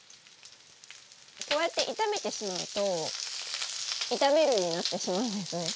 こうやって炒めてしまうと「炒める」になってしまうんですね。